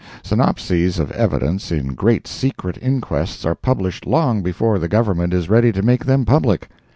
Synopses of evidence in great secret inquests are published long before the Government is ready to make them public.